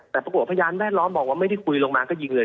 แต่ปรากฏพยานแวดล้อมบอกว่าไม่ได้คุยลงมาก็ยิงเลย